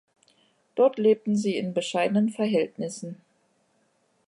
Dort lebten sie in bescheidenen Verhältnissen.